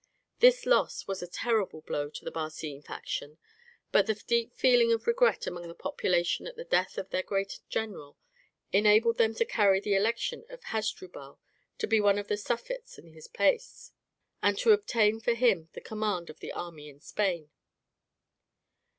This loss was a terrible blow to the Barcine faction, but the deep feeling of regret among the population at the death of their great general enabled them to carry the election of Hasdrubal to be one of the suffetes in his place, and to obtain for him the command of the army in Spain.